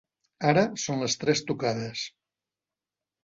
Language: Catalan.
Ara són les tres tocades.